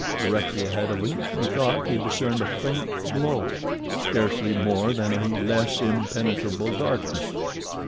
Directly ahead of him he thought he discerned a faint glow—scarcely more than a less impenetrable darkness.